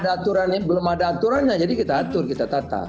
karena belum ada aturannya jadi kita atur kita tata